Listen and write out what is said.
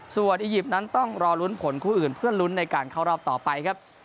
ส่วนอียิปต์นั้นต้องรอลุ้นผลคู่อื่นเพื่อลุ้นในการเข้ารอบต่อไปครับ